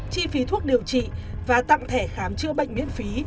chi phí thuốc điều trị và tặng thẻ khám chữa bệnh miễn phí